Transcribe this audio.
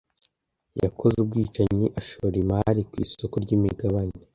Yakoze ubwicanyi ashora imari ku isoko ryimigabane.